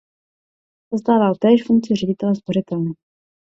Zastával též funkci ředitele spořitelny.